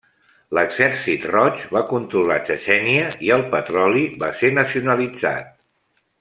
L'Exèrcit Roig va controlar Txetxènia i el petroli va ser nacionalitzat.